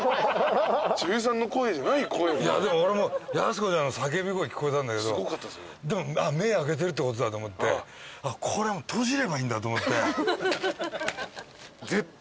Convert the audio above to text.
いや俺も靖子ちゃんの叫び声聞こえたんだけどでも目開けてるってことだと思ってこれ閉じればいいんだと思って。